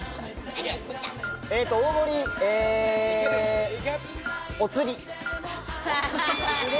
大盛り、おつり。